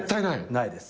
ないです。